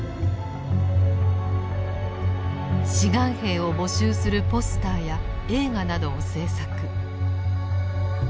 志願兵を募集するポスターや映画などを制作。